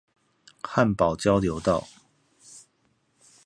漢寶交流道